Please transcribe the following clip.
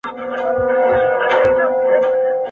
مګر تا له خلکو نه دي اورېدلي؟ !.